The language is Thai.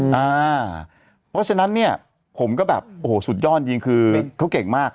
เพราะฉะนั้นเนี่ยผมก็แบบโอ้โหสุดยอดจริงคือเขาเก่งมาก